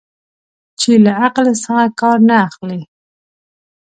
چې له عقل څخه کار نه اخلي.